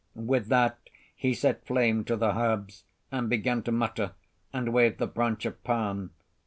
With that he set flame to the herbs, and began to mutter and wave the branch of palm.